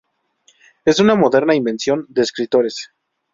Es una moderna invención de escritores.